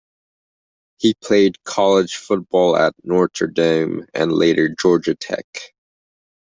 He played college football at Notre Dame and later Georgia Tech.